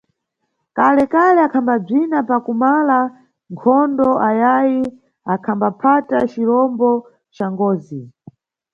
Kalekale akhambabzina pakumala nkhondo ayayi angaphata cirombo ca ngozi.